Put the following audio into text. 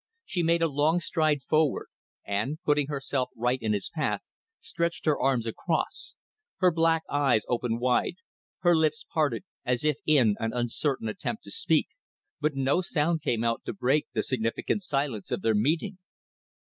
She made a long stride forward, and putting herself right in his path, stretched her arms across; her black eyes opened wide, her lips parted as if in an uncertain attempt to speak but no sound came out to break the significant silence of their meeting.